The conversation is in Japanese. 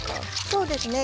そうですね。